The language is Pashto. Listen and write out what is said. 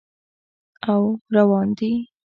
او روان دي